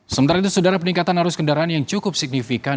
sementara itu saudara peningkatan arus kendaraan yang cukup signifikan